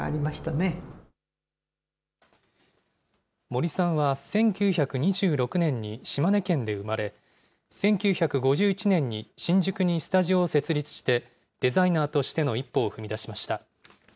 森さんは１９２６年に島根県で生まれ、１９５１年に新宿にスタジオを設立して、デザイナーとしての一歩を踏み出しました。